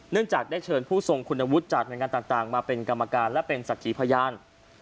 เนื่องจากได้เชิญผู้ทรงคุณวุฒิจากฯมาเป็นกรรมการและเป็นสัตว์ขีพญาน